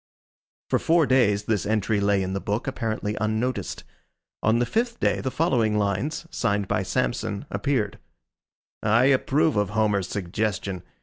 For four days this entry lay in the book apparently unnoticed. On the fifth day the following lines, signed by Samson, appeared: "I approve of Homer's suggestion.